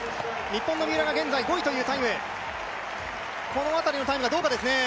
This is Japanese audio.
日本の三浦が現在６位というタイムこの辺りのタイムがどうかですね。